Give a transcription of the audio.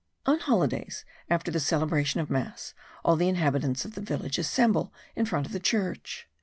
On holidays, after the celebration of mass, all the inhabitants of the village assemble in front of the church.